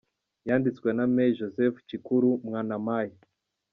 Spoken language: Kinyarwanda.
Yanditswe na Me Joseph Cikuru Mwanamaye